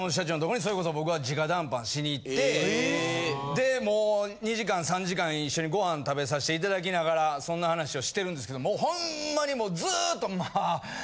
でもう２時間３時間一緒にご飯食べさせて頂きながらそんな話をしてるんですけどもうほんまにもうずっと。